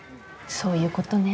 そういうことね。